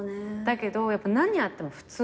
だけどやっぱ何やっても普通なの。